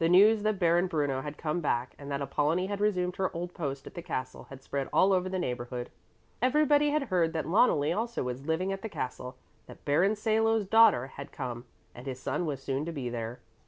The news that Baron Bruno had come back and that Apollonie had resumed her old post at the castle had spread all over the neighborhood. Everybody had heard that Loneli also was living at the castle, that Baron Salo's daughter had come, and his son was soon to be there.